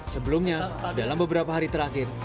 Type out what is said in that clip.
sebelumnya dalam beberapa hari terakhir